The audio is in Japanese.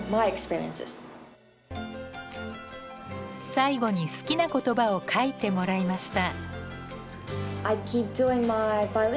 最後に好きな言葉を書いてもらいました。